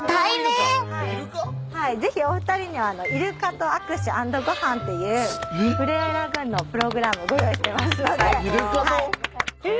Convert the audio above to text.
ぜひお二人にはイルカとあくしゅ＆ごはんっていうふれあいラグーンのプログラムご用意してますので。